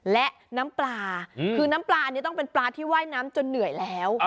และน้ำปลาคือน้ำปลาอันนี้ต้องเป็นปลาที่ว่ายน้ำจนเหนื่อยแล้ว